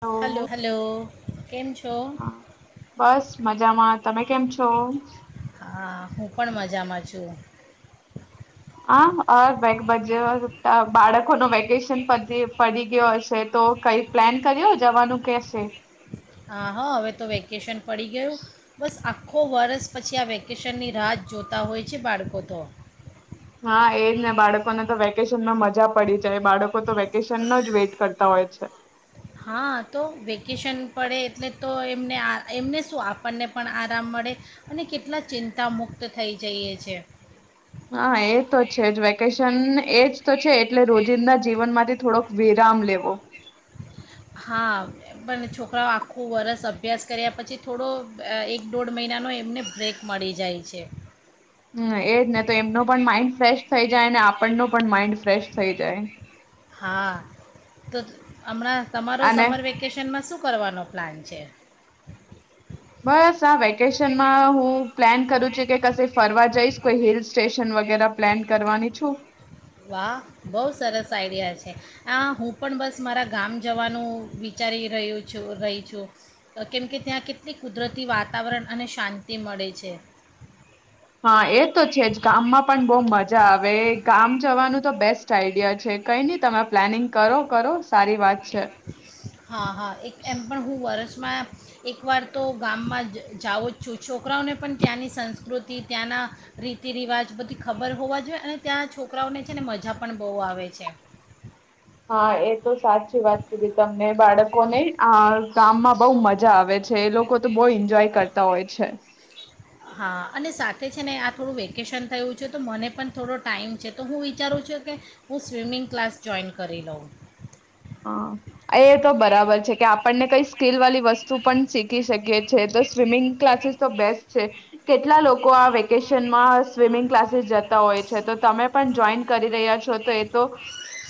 Hello hello કેમ છો હ બસ મજામાં તમે કેમ છો હા હું પણ મજામાં છું હા [unintelligible] બાળકોનુ વેકેશન પડી ગયો હશે તો કઈ પ્લાન કર્યો જવાનું કેશે હા હા હવે તો વેકેશન પડી ગયું બસ આખો વર્ષ પછી આ વેકેશનની રાહત જોતા હોય છે બાળકો તો હા એજ ને બાળકોને તો વેકેશનમાં મજા પડી જાય બાળકો તો વેકેશનનો જ વેઇટ કરતા હોય છે હા તો વેકેશન પડે એટલે તો એમને આ એમને શું આપણને પણ આરામ મળે અને કેટલા ચિંતા મુુક્ત થઈ જઈએ છે હા એ તો છે જ વેકેશન એજ તો છે એટલે રોજિંદા જીવનમાંથી થોડોક વિરામ લેવો હા પણ છોકરાઓ આખું વર્ષ અભ્યાસ કર્યા પછી થોડો એક દોઢ મહિનાનો એમને બ્રેક મળી જાય છે હમ્મ એજ ને તો એમનો પણ માઇન્ડ ફ્રેશ થઈ જાય ને આપણનો પણ માઇન્ડ ફ્રેશ થઈ જાય હા તો હમણાં તમારો અને સમર વેકેશન માં શું શું કરવાનો પ્લાન છે બસ આ વેકેશનમાં હું પ્લાન કરું છે કે કશે ફરવા જઈશ કોઈ હિલ સ્ટેશન વગેરે પ્લાન કરવાની છું વા બહુ સરસ આઈડિયા છે આ હું પણ બસ મારા ગામ જવાનું વિચારી રહ્યું છું રહી છું કેમકે ત્યાં કેટલી કુદરતી વાતાવરણ અને શાંતિ મળે છે હા એ તો છેજ ગામમાં પણ બોહ મજા આવે ગામ જવાનું તો બેસ્ટ આઈડિયા છે કઈ નહી તમે પ્લાનિંગ કરો કરો સારી વાત છે હા હા એક એમ પણ હું વરષમાં એકવાર તો ગામમાં જાઉં જ છું છોકરાઓને પણ ત્યાંની સંસ્કૃતિ ત્યાંના રીતિ રિવાજ બધી ખબર હોવા જોઈએ અને ત્યાં છોકરાઓને છે ને મજા પણ બોહ આવે છે હા એ તો સાચી વાત કરીધ તમને બાળકોને આ ગામમાં બહુ મજા આવે છે એ લોકો તો બહુ એન્જોય કરતા હોય છે હા અને સાથે છે ને આ થોડું વેકેશન થયું છે તો મને પણ થોડો ટાઈમ છે તો હું વિચારું છું કે હું સ્વિમિંગ ક્લાસ જોઈન કરી લઉં હા એ તો બરાબર છે કે આપણને કઈ સ્કીલ વાળી વસ્તુ પણ શીખી શકીએ છે તો સ્વિમિંગ ક્લાસીસ તો બેસ્ટ છે કેટલા લોકો આ વેકેશન માં સ્વિમિંગ ક્લાસીસ જતા હોય છે તો તમે પણ જોઈન કરી રહ્યા છો તો તો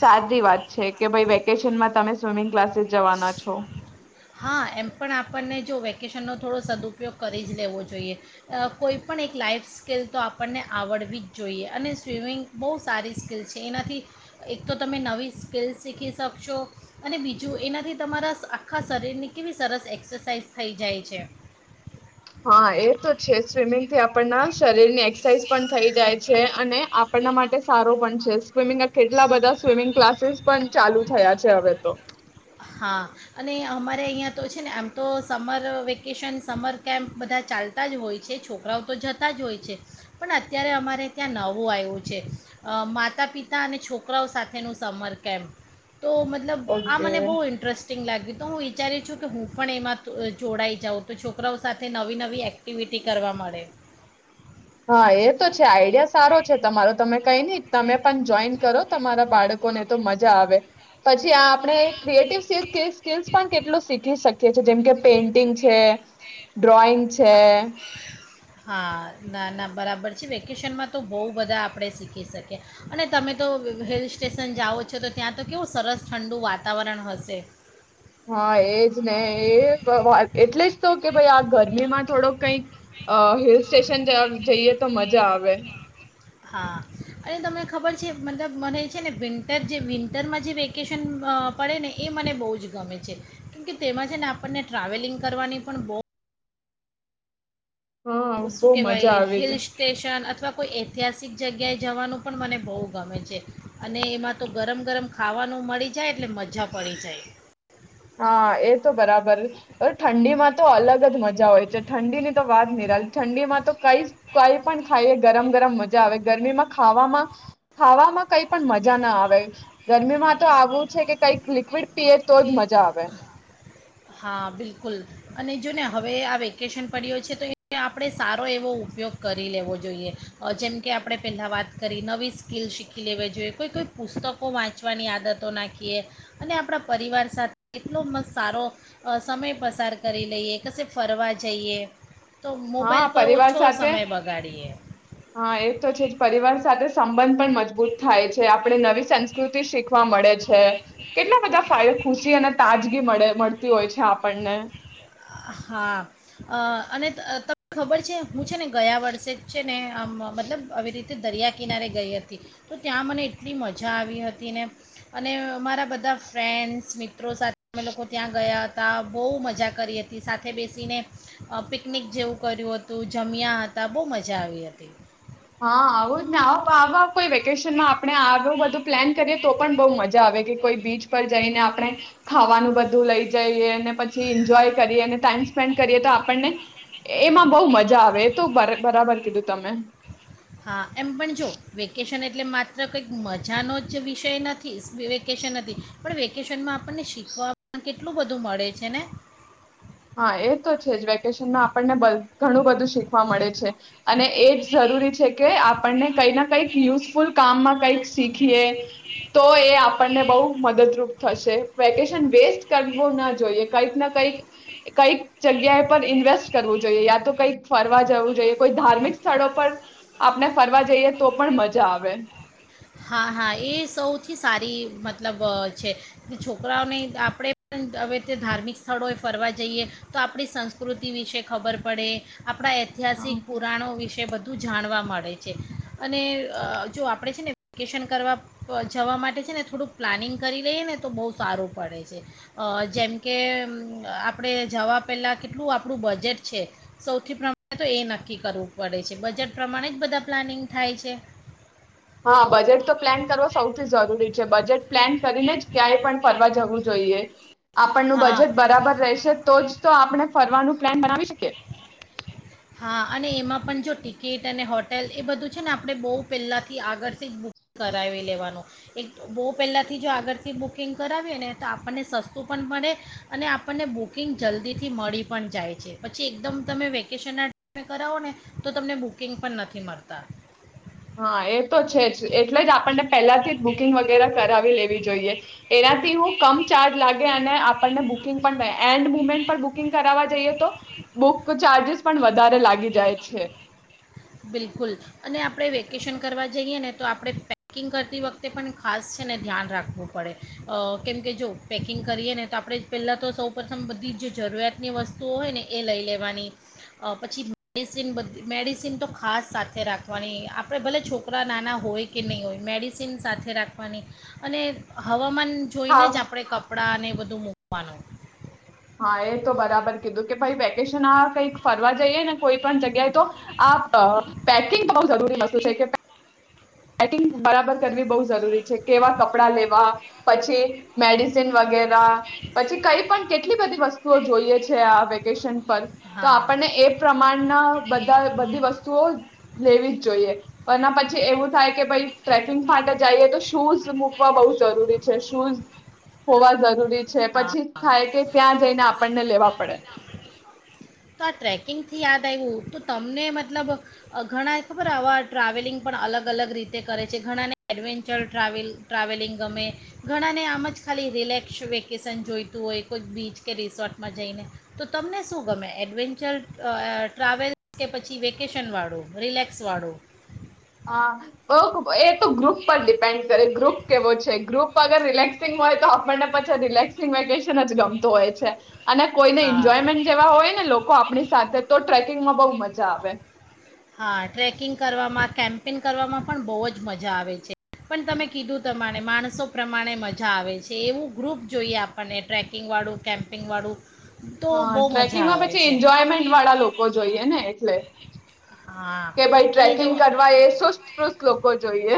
સારી વાત છે કે ભઈ વક વેકેશન માં તમે સ્વિમિંગ ક્લાસીસ જવાના છો હા એમ પણ આપણને જો વેકેશનનો થોડો સદુઉપયોગ કરી જ લેવો જોઈએ કોઈ પણ એક લાઈફ સ્કિલ તો આપણને આવડવી જ જોઈએ અને સ્વિમિંગ બહુ સારી સ્કિલ છે એનાથી એક તો તમે નવી સ્કિલ શીખી શકશો અને બીજું એનાથી તમારા આ આખા શરીરની કેવી સરસ એક્સરસાઇઝ થઈ જાય છે હા એ તો છે સ્વિમિંગ થી આપ શરીર ની એક્સરસાઇઝ પણ થઈ જાય છે અને આપણના માટે સારો પણ છે સ્વિમિંગ કેટલા બધા સ્વિમિંગ ક્લાસીસ પણ ચાલુ થયા. છે હવે તો. હા, અને અમારે અહીંયા તો છે ને આમ તો સમર વેકેશન સમર કેમ્પ બધા ચાલતા જ હોય છે છોકરાઓ તો જતા જ હોય છે, પણ અત્યારે અમારે ત્યાં નવું આવ્યું છે, માતા પિતા અને છોકરાઓ સાથેનું સમર કેમ્પ. તો મતલબ આ ઓકે. મને બ ઇન્ટરેસ્ટિંગ લાગ્યું. તો હું વિચારી છું કે હું પણ એમાં જોડાઈ જાઉં તો છોકરાઓ સાથે નવી નવી એક્ટિવિટી કરવા મળે. હા એ તો છે આઈડિયા સારો છે તમારો તમે કઈ નહી તમે પણ જોઈન કરો તમારા બાળકોને તો મજા આવે, પછી આપણે ક્રિએટિવ સ્કલસ પણ કેટલું શીખી શકીએીએ જેમ કે પેઇન્ટિંગ છે. ડ્રોઈંગ છે. હા ના ના બરાબર છે વેકેશનમાં તો બહુ બધા આપણે શીખી શકીએ, અને તમે તો હિલ સ્ટેશન જાઓ છો તો ત્યાં તો કેવું સરસ ઠંડુ વાતાવરણ હશે. હા એજ ને એ વાત. એટલે જ તો કે ભાઈ આ ગરમીમાં થોડોક કઈક, અ હિલ સ્ટેશન જઈએ તો મજા આવે. હા, અને તમને ખબર છે મતલબ મને છે ને વિન્ટર જે વિન્ટરમાં જે વેકેશન પડે ને એ મને બહુ જ ગમે છે, કેમકે તેમાં છે ને આપણને ટ્રાવેલિંગ કરવાની પણ બહુ હા શું બહુ કેવાય મજા આવે હિલ છે. સ્ટેશન અથવા કોઈ ઐતિહાસિક જગ્યાએ જવાનું પણ મને બહુ ગમે છે, અને એમાં તો ગરમ ગરમ ખાવાનું મળી જાય એટલે મજા પડી જાય. હા એ તો બરાબર, ઠંડીમાં તો અલગ જ મજા હોય છે ઠંડી ની તો વાત ન રા ઠંડીમાં તો કઈ કઈ પણ ખાઈ ગરમ ગરમ મજા આવે ગરમીમાં ખાવામાં, ખાવામાં કઈ પણ મજા ના આવે ગરમીમાં તો આવું છે કે કઈક લિક્વિડ પીએ તો જ મજા જાવે હા બિલકુલ અને જોને હવે આ વેકેશન પડ્યું છે તો એ આપણે સારો એવો ઉપયોગ કરી લેવો જોઈએ જેમ કે આપણે પહેલાં વાત કરી નવી સ્કિલ શીખી લેવી જોઈએ કોઈ કોઈ પુસ્તકો વાંચવાની આદતો નાખીએ અને આપણા પરિવાર સાથે એટલો મસ્ત સારો સમય પસાર કરી લઈએ કશે ફરવા જઈએ તો મોબાઈલ હા પર પરિવાર ઓછો સાથે સમય બગાડીએ હા એ તો છે જ પરિવાર સાથે સંબંધ પણ મજબૂત થાય છે છે આપણે નવી સંસ્કૃતિ શીખ વા મળે જે કેટલા બધા ફાય ખુશી અને તાજ ગી મળે મળતી હોય છે આપણને હા અને તને ખબર છે હું છે ને ગયા વર્ષે જ ને આ મતલબ આવી રીતે દરિયા કિનારે ગઈ હતી તો ત્યાં મને એટલી મજા આવી હતી ને અને મારા બધા ફ્રેન્ડ્સ મિત્રો સાથે અમે લોકો ત્યાં ગયા હતા બહુ મજા કરી હતી. સાથે બેસીને પિકનિક જેવું કર્યું હતું જમ્યા હતા બહુ મજા આવી હતી. હા આવું જ ને આવ આવ કોઈ વેકેશન માં આપણે આવું બધું. પ્લાન કરીએ તો પણ બહુ મજા આવે કે કોઈ બીચ પર જઈને આપણે ખાવાનું બધું લઈ જઈએ અને પછી એન્જોય કરીએ ટાઈમ સ્પેન્ડ કરીએ તો આપણને એમાં બહુ મજા આવે તો બરાબર કીધું તમે હા એમ પણ જો વેકેશન એટલે માત્ર કંઈક મજાનો જ વિષય નથી વેકેશન નથી પણ વેકેશનમાં આપણને શીખવા કેટલું બધું મળે છે ને હા એ તો છે જ વેકેશનમાં આપણને ઘણું બધું શીખવા મળે છે. અને એ જ જરૂરી છે કે આપ પણ. કઈ ના કઈક યુઝફુલ કામમાં કઈક શીખીએ તો એ આપણને બહુ મદદરૂપ થશે વેકેશન વેસ્ટ કરવો ના જોઈએ કઈક ના કઈક કઈક જગ્યાએ પર ઇન્વેસ્ટ કરવું જોઈએ યા તો કઈક. ફરવા જવું જોઈએ કોઈ ધાર્મિક સ્થળો પર આપણે ફરવા જઈએ તો પણ મજા આવે. હા હા એ સૌથી સારી મતલબ છે છોકરાઓને આપણે પણ હવે તે ધાર્મિક સ્થળોએ ફરવા જઈએ તો આપણી સંસ્કૃતિ વિશે ખબર પડે આપણા હા. ઐતિહાસિક પુરાણો વિશે બધું ું જાણવા મળે છે અને જો આપણે છે ને વેકેશન કરવા જવા માટે છે ને થોડુંક પ્લાનિંગ કરી લઈએ ને તો બહુ સારું પડે છે જેમ કે આપણે જવા પહેલાં કેટલું આપણું બજેટ છે સૌથી પ્રમાણે તો એ નક્કી કરવું પડે છે બજેટ પ્રમાણે જ બધા પ્લાનિંગ થાય છે. હા બજેટ તો પ્લાન કરવો સૌથી જરૂરી છે બજેટ પ્લાન કરીને જ ક્યાંય પણ ફરવા જવું જોઈએ. આપણનું હા બજેટ બરાબર રહેશે તો જ તો આપણે ફરવાનું પ્લાન બનાવી શકીએ. હા અને એમાં પણ જો ટિકિટ અને હોટેલ એ બધું છે ને આપણે બહુ પહેલાંથી આગળથી જ બુક કરાવી લેવાનું એક બહુ પહેલાંથી જો આગળથી બુકિંગ કરાવીએ ને તો આપણને સસ્તું પણ મળે અને આપણને બુકિંગ જલ્દીથી મળી પણ જાય છે પછી એકદમ તમે વ ટમે કરાવો ને તો તમને બુકિંગ પણ નથી મળતા. હા એ તો છે જ એટલે જ આપણને પહેલાથી જ બુકિંગ વગેરે કરાવી લેવી જોઈએ એનાથી હું કમ ચાર્જ લાગે અને આપણને બુકિંગ પણ એન્ડ મુમેન્ટ પણ બુકિંગ કરાવવા જઈએ તો બુક ચાર્જસ પણ વધારે લાગી જાય છે. બિલકુલ અને આપણે વેકેશન કરવા જઈએ ને તો આપણે પેકિંગ કરતી વખતે પણ ખાસ છે ને ધ્યાન રાખવું પડે કેમકે જો પેકિંગ કરીએ ને તો આપણે પહેલાં તો સૌ પ્રથમ બધી જરૂરિયાતની વસ્તુઓ હોય ને એ લઈ લેવાની પછી મેડિસિન બધી મેડિસ તો ખાસ સાથે રાખવાની આપણે ભલે છોકરા નાના હોય કે નહીં હોય મેડિસિન સાથે રાખવાની અને હવા જોઈ ને ખાવ જ આપડે કપડાં ને બધા અ મુવાનું. હા એ તો બરાબર કીધું કે ભાઈ વેકેશન આ કઈક ફરવા જઈએ ને કોઈ પણ જગ્યાએ તો આ પેકિંગ બહુ જરૂરી વસ્તુ છે અ પેકિંગ બરાબર કરવી બહુ જરૂરી છે કેવા કપડાં લેવા પછી મેડિસિન વગેરે પછી કઈ પણ કેટલી બધી વસ્તુઓ જોઈએ છે આ વેકેશન તો હા આપણને એ પ્રમાણના બધા બધી વસ્તુઓ લેવી જ જોઈએ. અનેના પછી એવું થાય કે ભાઈ ટ્રેકિંગ માટે જઈએ તો શુંઝ મૂકવા બહું જરૂરી છે શૂઝ હોવા જરૂરી છે હા પછી થાય ત્યાં જઈને આપણને લેવા પડે તો આ ટ્રેકિંગથી યાદ આવ્યું તો તમને મતલબ ઘણા ખબર આવા ટ્રાવેલિંગ પણ અલગ અલગ રીતે કરે છે ઘણાને એડવેન્ચર ટ્રાવેલ ટ્રાવેલિંગ ગમે ઘણાને આમ જ ખાલી રિલેક્સ વ્યક્ વેકેશન જોઈતું હોય કોઈ બીચ કે રિસોર્ટમાં જઈને તો તમને શું ગમે એડવેન્ચર ટ્રાવેલ્સ કે પછી વેકેશનવાળો રિલેક્સવાળો હા બહું એક તો ગ્રુપ પર ડિપેન્ડ કરે ગ્રુપ કેવો છે ગ્રુપ અગર રિલેક્સિંગ હોય તો આપણને પછી રિલેક્સિંગ વેકેશન જ ગમતું હોય છે અને કોઈને હા એન્જોયમેન્ટ જેવા હોય ને લોકો આપણી સાથે તો ટ્રેકિંગમાં બોહ મજા આવે હા ટ્રેકિંગ કરવામાં કેમ્પિંગ કરવામાં પણ બહુ જ મજા આવે છે પણ તમે કીધું તમારે માણસો પ્રમાણે મજા આવે છે એવું ગ્રુપ જોઈએ આપણને ટ્રેકિંગવાળું કેમ્પિંગવાળું તો હા બહુ મજા ટ્રેકિંગમાં આવે પછી છે એન્જોયમેન્ટ વાળા લોકો જોઈએ ને એટલે હા કે ભઈ અને જો ટ્રેકિંગ કરવા એ સુસ્તપૃષ્ઠ લોકો જોઈએ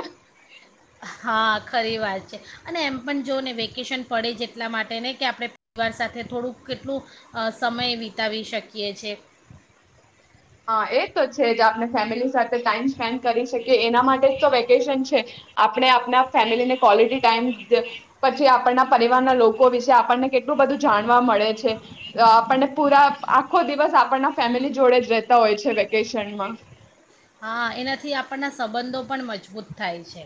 હા ખરી વાત છે અને એમ પણ જો ને વેકેશન પડે છે એટલા માટે ને કે આપણે પરિવાર સાથે થોડુંક કેટલું સમય વિતાવી શકીએ છે હા એ તો છે જ આપણે ફેમિલી સાથે ટાઈમ સ્પેન્ડ કરી શકીએ એ એના માટે જ તો વેકેશન છે આપણે આપણા ફેમિલીને ક્વલિટી ટાઈમ પછી આપણના પરિવારના લોકો વિશે આપણને કેટલું બધું જાણવા મળે છે આપણને પૂરા આખો દિવસ આપણના ફેમિલી જોડે જ રે તા હોય છે વેકેશનમાં હા એનાથી આપણના સંબંધો પણ મજબૂત થાય છે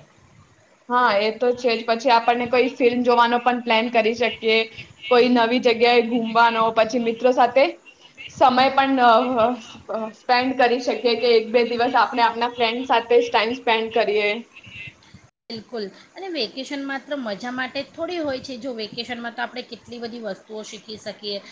હા એ તો છે જ પછી આપણને કોઈ ફિલ્મ જોવાનો પણ પ્લાન કરી શકીએ કોઈ નવી જગ્યાએ ઘુમવાનો પછી મિત્રો સાથે સમય પણ [unintelligible] સ્પેન્ડ કરી શકે એક બે દિવસ આપણે આપણા ફ્રેન્ડ સાથે જ ટાઈમ સ્પેન્ડ કરીએ બિલકુલ, અને વેકેશન માત્ર મજા માટે થોડી હોય છે જો વેકેશનમાં તો આપણે કેટલી બધી વસ્તુઓ શીખી શકીએ,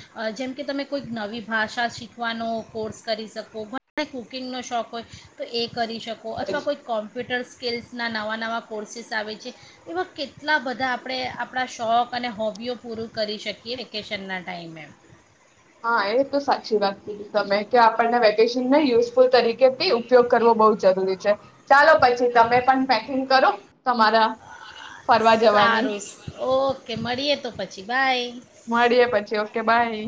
જેમ કે તમે કોઈક નવી ભાષા શીખવાનો કોર્સ કરી શકો ઘ કુકિંગનો શોખ હોય, તો એક કરી શકો અથવા હા કોઈ કોમ્પ્યુટર્સ સ્કેલ્સના નવા નવા કોર્સસ આવે છે, એવા કેટલા બધા આપણે આપણા શોખ અને હોબીઓ પૂરું કરી શકીએ વેકેશનના ટાઈમે. હા એ તો સાચી વાત કીધી તમે કે આપણને વેકેશન ને યુઝફુલ તરીકે થી ઉપયોગ કરવો બહુ જરૂરી છે. ચાલો પછી તમે પણ પેકિંગ કરો તમારા ફરવા જવાની સારું ઓકે. કે મળીએ તો પછી બાય. મળીએ પછી ઓકે બાય.